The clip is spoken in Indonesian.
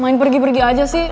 main pergi pergi aja sih